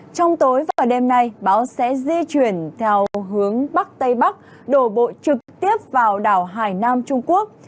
trong tối và đêm nay bão sẽ di chuyển theo hướng bắc tây bắc đổ bộ trực tiếp vào đảo hải nam trung quốc